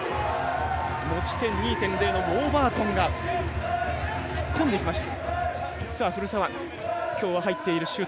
持ち点２．０のウォーバートンが突っ込んでいきました。